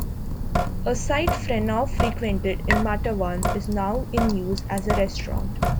A site Freneau frequented in Matawan is now in use as a restaurant.